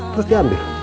terus dia ambil